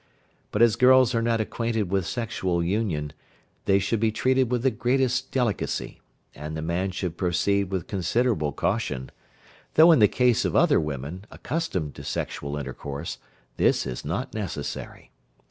But as girls are not acquainted with sexual union, they should be treated with the greatest delicacy, and the man should proceed with considerable caution, though in the case of other women, accustomed to sexual intercourse, this is not necessary.